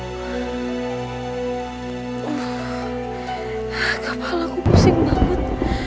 uh kepala ku pusing banget